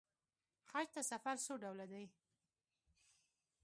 حج ته سفر څو ډوله دی.